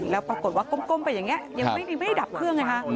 แล้วปรากฏว่าก้มไปอย่างนี้ยังไม่ได้ดับเครื่องไงฮะ